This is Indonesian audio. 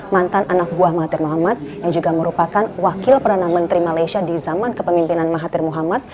mantan anak buah mahathir muhammad yang juga merupakan wakil perdana menteri malaysia di zaman kepemimpinan mahathir muhammad